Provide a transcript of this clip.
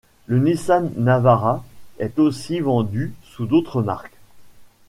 Le Nissan Navara est aussi vendu sous d'autres marques.